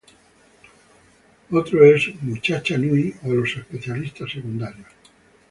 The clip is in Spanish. Otro es "Muchachada Nui", o los Especialistas Secundarios.